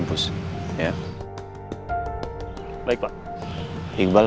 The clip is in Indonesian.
jagain oma ya